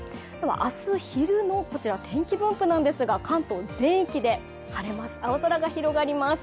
明日昼の天気分布なんですが、関東全域で晴れます。